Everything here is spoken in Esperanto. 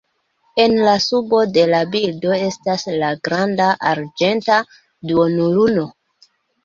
En la subo de la bildo estas la granda, arĝenta duonluno.